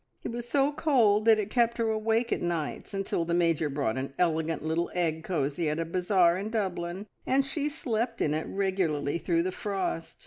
It was so cold that it kept her awake at nights, until the Major bought an elegant little egg cosy at a bazaar in Dublin, and she slept in it regularly through the frost.